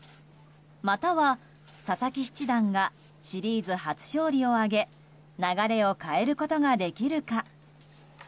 または、佐々木七段がシリーズ初勝利を挙げ流れを変えることができるか。